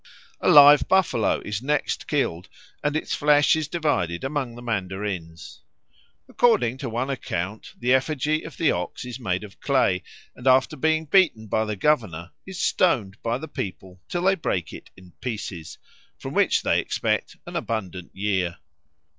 A live buffalo is next killed, and its flesh is divided among the mandarins. According to one account, the effigy of the ox is made of clay, and, after being beaten by the governor, is stoned by the people till they break it in pieces, "from which they expect an abundant year."